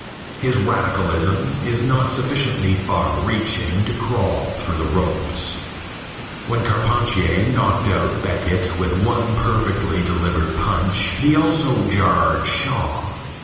His radicalism is not sufficiently far reaching to crawl through the ropes. When Carpentier knocked out Beckett with one perfectly delivered punch he also jarred Shaw.